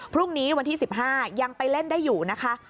พรุ่งนี้วันที่๑๕ยังไปเล่นได้อยู่นะคะ